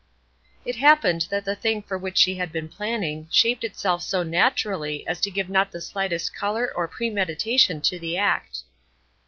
It happened that the thing for which she had been planning, shaped itself so naturally as to give not the slightest color or premeditation to the act.